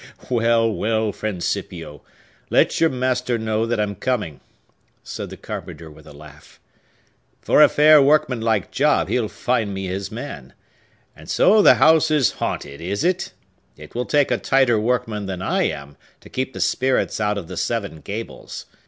"Well, well, friend Scipio; let your master know that I'm coming," said the carpenter with a laugh. "For a fair, workmanlike job, he'll find me his man. And so the house is haunted, is it? It will take a tighter workman than I am to keep the spirits out of the Seven Gables.